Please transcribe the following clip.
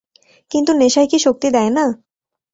কিন্তু নেশায় কি শক্তি দেয় না?